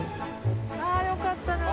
あよかったな。